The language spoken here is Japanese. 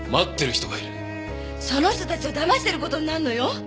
その人たちをだましてる事になるのよ？